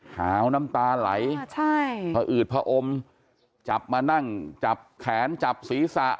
หาวน้ำตาไหลพออืดผอมจับมานั่งจับแขนจับศีรษะ